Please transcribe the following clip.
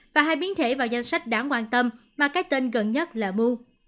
và hai biến thể vào danh sách đáng quan tâm mà cái tên gần nhất là mu